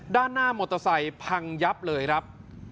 ด้านหน้ามอเตอร์ไซค์พังยับเลยครับ